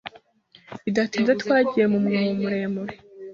Bidatinze twagiye mu mwobo muremure